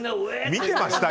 見てました？